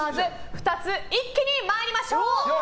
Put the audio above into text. ２つ、一気に参りましょう！